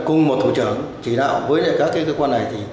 cùng một thủ trưởng chỉ đạo với các cơ quan này